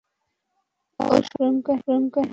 ওসব প্রেমকাহিনী কেন আঁকলি?